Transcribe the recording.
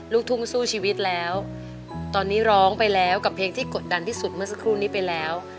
ลูกทุ่งสู้ชีวิตแล้วตอนนี้ร้องไปแล้วกับเพลงที่กดดันที่สุดเมื่อสักครู่นี้ไปแล้ว